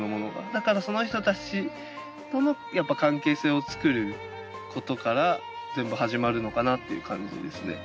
だからその人たちとの関係性を作ることから全部始まるのかなっていう感じですね。